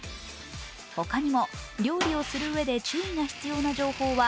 他にも、料理をするうえで注意が必要な情報は